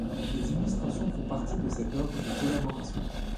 Les illustrations font partie de cette œuvre de collaboration.